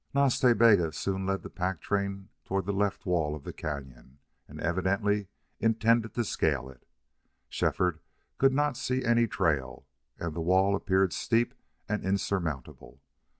Nas Ta Bega soon led the pack train toward the left wall of the cañon, and evidently intended to scale it. Shefford could not see any trail, and the wall appeared steep and insurmountable.